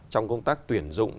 trong công tác tuyển dụng